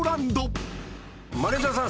マネジャーさん